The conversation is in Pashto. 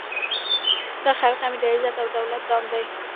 دا خرقه مي د عزت او دولت دام دی